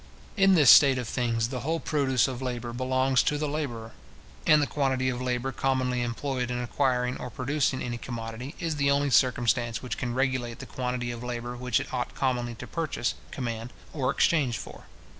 In this state of things, the whole produce of labour belongs to the labourer; and the quantity of labour commonly employed in acquiring or producing any commodity, is the only circumstance which can regulate the quantity of labour which it ought commonly to purchase, command, or exchange for.